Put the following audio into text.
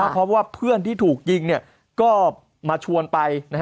เพราะว่าเพื่อนที่ถูกยิงก็มาชวนไป